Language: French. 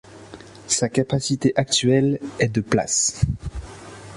Sa capacité actuelle est de places.